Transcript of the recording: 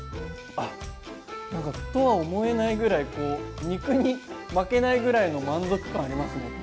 何か麩とは思えないぐらい肉に負けないぐらいの満足感ありますね